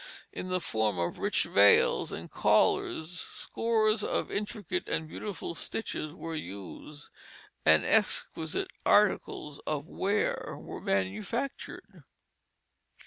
In the form of rich veils and collars scores of intricate and beautiful stitches were used, and exquisite articles of wear were manufactured.